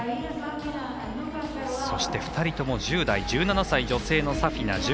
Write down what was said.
そして、２人とも１０代１７歳、女性のサフィナ。